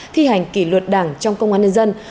thi hành kỷ luật đảng trong công an nhân dân